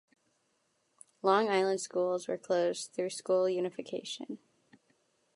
Long Island schools were closed through school unification.